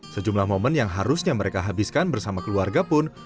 sejumlah momen yang harusnya mereka habiskan bersama keluarga pun